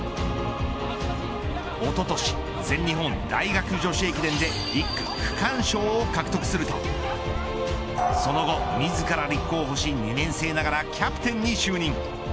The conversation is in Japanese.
おととし、全日本大学女子駅伝で１区区間賞を獲得するとその後自ら立候補し２年生ながらキャプテンに就任。